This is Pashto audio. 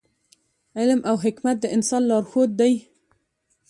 علم او حکمت د انسان لارښود دی.